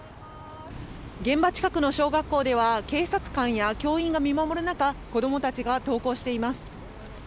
現場近くの小学校では、警察官や教員が見守る中、子どもたちが登校しています。